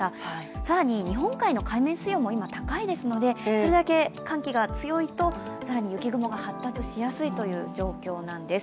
更に日本海の海面水温も今、高いですのでそれだけ寒気が強いと更に雪雲が発達しやすいという状況なんです。